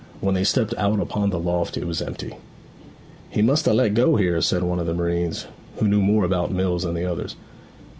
When they stepped out upon the loft it was empty. 'He must ha' let go here,' said one of the marines, who knew more about mills than the others.